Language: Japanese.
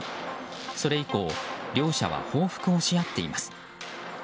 それ以降両者は報復をし合っています。